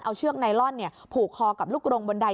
เอาเชือกไนลอนผูกคอกับลูกโรงบนใด